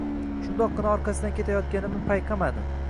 Shundoqqina orqasidan ketayotganimni payqamadi.